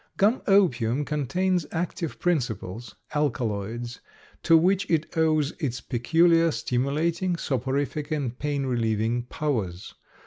Gum opium contains active principles (alkaloids), to which it owes its peculiar stimulating, soporific, and pain relieving powers.